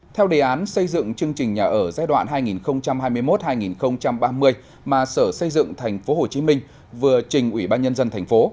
theo đề án xây dựng chương trình nhà ở giai đoạn hai nghìn hai mươi một hai nghìn ba mươi mà sở xây dựng tp hcm vừa trình ủy ban nhân dân thành phố